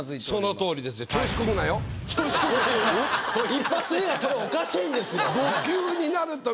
一発目がそれおかしいんですよ。